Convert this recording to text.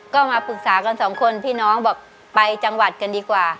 ก็มาปรึกษากันสองคนพี่น้องบอกไปจังหวัดกันดีกว่า